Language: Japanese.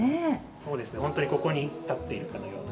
そうですね、本当にここに立っているかのような。